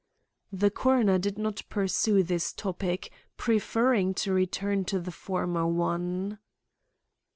The coroner did not pursue this topic, preferring to return to the former one.